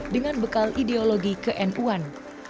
dengan bekal ideologi ke nu an